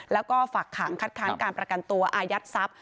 แล้วก็ฝากขังคัดค้านการประกันตัวอายัดทรัพย์